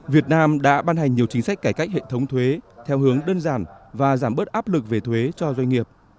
việt nam đã ban hành nhiều chính sách cải cách hệ thống thuế theo hướng đơn giản và giảm bớt áp lực về thuế cho doanh nghiệp